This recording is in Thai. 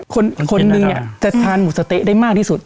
คนหนึ่งจะทานหมูสะเต๊ะได้มากที่สุด